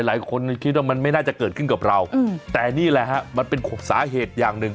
หลายคนคิดว่ามันไม่น่าจะเกิดขึ้นกับเราแต่นี่แหละฮะมันเป็นสาเหตุอย่างหนึ่ง